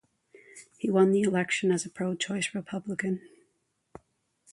He won the election as a pro-choice Republican.